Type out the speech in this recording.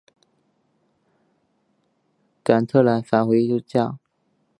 斡特懒返还回家。